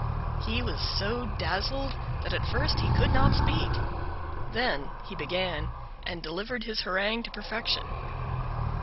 He was so dazzled that at first he could not speak; then he began and delivered his harangue to perfection.